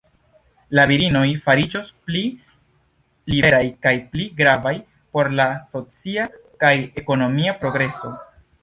La virinoj fariĝos pli liberaj kaj pli gravaj por la socia kaj ekonomia progreso.